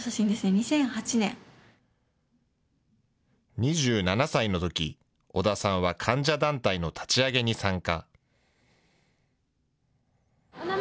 ２７歳のとき、織田さんは患者団体の立ち上げに参加。